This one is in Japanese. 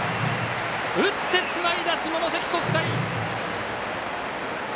打ってつないだ下関国際！